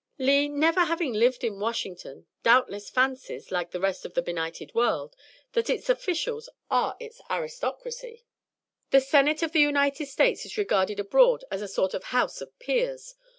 "Lee, never having lived in Washington, doubtless fancies, like the rest of the benighted world, that its officials are its aristocracy. The Senate of the United States is regarded abroad as a sort of House of Peers.